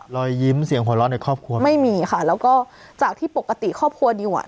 รอยยิ้มเสียงหัวเราะในครอบครัวไม่มีค่ะแล้วก็จากที่ปกติครอบครัวดิวอ่ะ